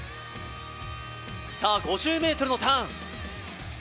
さあ、５０ｍのターン。